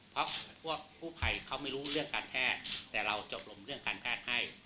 เพราะพวกกู้ภัยเขาไม่รู้เรื่องการแพทย์แต่เราจบลงเรื่องการแพทย์ให้